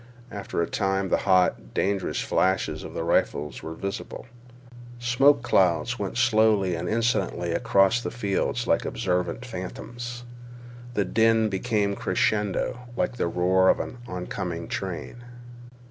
After a time the hot, dangerous flashes of the rifles were visible. Smoke clouds went slowly and insolently across the fields like observant phantoms. The din became crescendo, like the roar of an oncoming train.